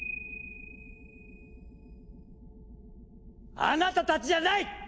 あなたたちじゃない！